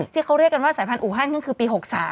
ที่เขาเรียกกันว่าสายพันธ์อูฮันก็คือปี๖๓